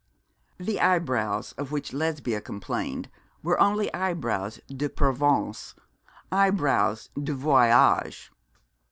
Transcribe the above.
The eyebrows of which Lesbia complained were only eyebrows de province eyebrows de voyage.